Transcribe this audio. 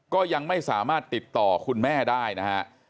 ก็ยังไม่สามารถติดต่อคุณแม่ได้นะฮะ